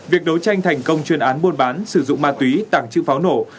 việc đấu tranh thành công chuyên án bôn bán sử dụng ma túy tảng chữ pháo nổ